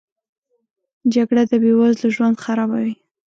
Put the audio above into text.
جګړه د بې وزلو ژوند خرابوي